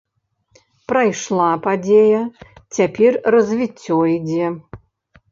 Прайшла падзея, цяпер развіццё ідзе.